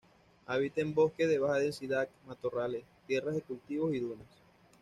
Habita en bosques de baja densidad, matorrales, tierras de cultivo y dunas.